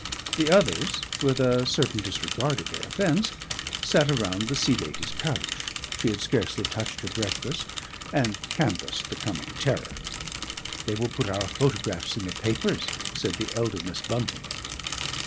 The others, with a certain disregard of her offence, sat around the Sea Lady's couch she had scarcely touched her breakfast and canvassed the coming terror. "They will put our photographs in the papers," said the elder Miss Bunting.